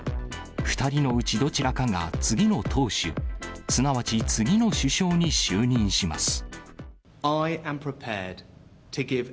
２人のうちどちらかが次の党首、すなわち次の首相に就任します。